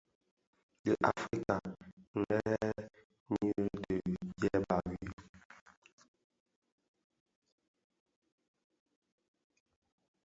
Di Afrika nghëghèn nyi di ndieba wui.